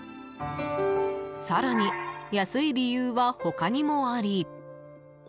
更に、安い理由は他にもあり。